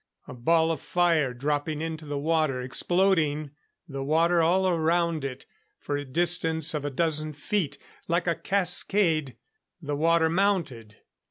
A ball of fire dropping into the water, exploding the water all around it for a distance of a dozen feet. Like a cascade, the water mounted.